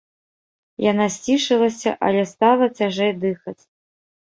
Яна сцішылася, але стала цяжэй дыхаць.